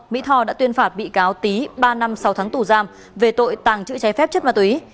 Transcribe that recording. mỹ tho đã tuyên phạt bị cáo tý ba năm sáu tháng tù giam về tội tàng trữ trái phép chất ma túy